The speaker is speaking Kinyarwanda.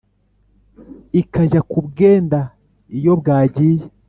ikaj ya ku bwenda iyo bwag iye